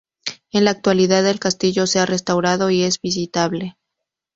En la actualidad el castillo se ha restaurado y es visitable.